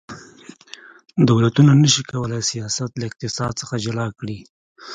دولتونه نشي کولی سیاست له اقتصاد څخه جلا کړي